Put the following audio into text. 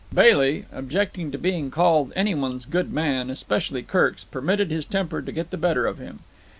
Bailey, objecting to being called any one's good man, especially Kirk's, permitted his temper to get the better of him.